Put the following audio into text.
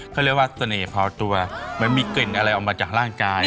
เขาเรียกว่าเสน่ห์พอตัวมันมีกลิ่นอะไรออกมาจากร่างกาย